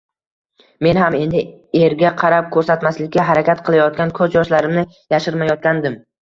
Men ham endi erga qarab ko`rsatmaslikka harakat qilayotgan ko`z yoshlarimni yashirmayotgandim